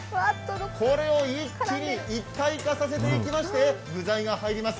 これを一気に一体化させていきまして、具材が入りました。